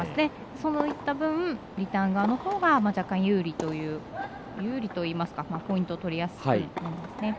そういった分リターン側のほうが若干、有利といいますかポイントを取りやすくなります。